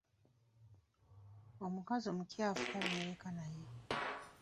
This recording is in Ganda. Omukazi omukyafu tabeereka naye.